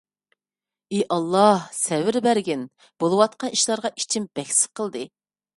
ئى ئاللاھ، سەۋر بەرگىن. بولۇۋاتقان ئىشلارغا ئىچىم بەك سىقىلدى.